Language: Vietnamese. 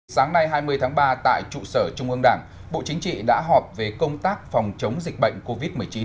sáng nay hai mươi tháng ba tại trụ sở trung ương đảng bộ chính trị đã họp về công tác phòng chống dịch bệnh covid một mươi chín